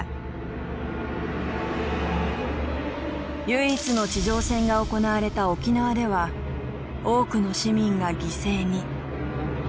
唯一の地上戦が行われた沖縄では多くの市民が犠牲に。